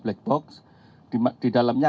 black box di dalamnya